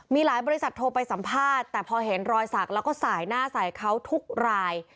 มีหลายบริษัทโทรไปสัมภาษณ์แต่พอเห็นรอยสักแล้วก็สายหน้าใส่เขาทุกราย